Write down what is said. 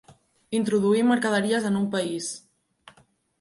Introduir mercaderies en un país.